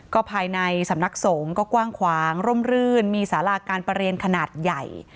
ก็ภายในสำนักสงฆ์ก็กว้างขวางร่มรื่นมีสาราการประเรียนขนาดใหญ่